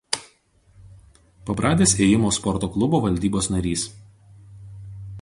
Pabradės ėjimo sporto klubo valdybos narys.